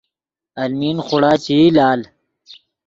المی خوڑا چے ای لال